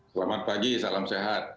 selamat pagi salam sehat